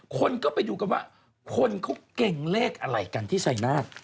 คนก็ไปดูกันว่าคนเขาเก่งเลขอะไรกันที่ชัยนาธ